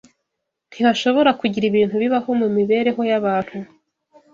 Ntihashobora kugira ibintu bibaho mu mibereho y’abantu